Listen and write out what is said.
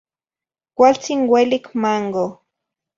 Cualtzin uelic mango.